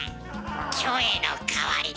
「キョエのかわりだ」。